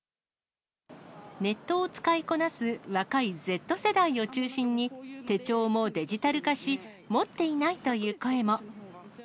ネットを使いこなす若いＺ世代を中心に、手帳もデジタル化し、持っていないという声も。